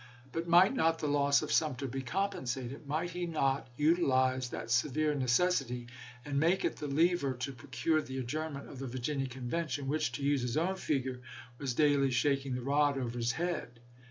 But might not the loss of Sumter be compensated? Might he not utilize that severe necessity, and make it the lever to procure the adjournment of the Virginia Conven tion, which, to use his own figure, was daily shak ing the rod over his head